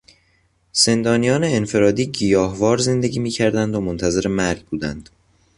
زندانیان انفرادی گیاهوار زندگی میکردند و منتظر مرگ بودند.